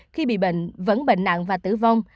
khi bị bệnh vẫn bệnh nặng và tử vong